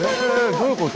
どういうこと？